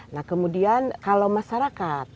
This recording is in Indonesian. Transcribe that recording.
nah kemudian kalau masyarakat